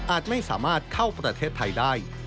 ไม่สามารถเข้าประเทศไทยได้